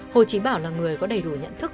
hồ chí bảo là người có đầy đủ nhận thức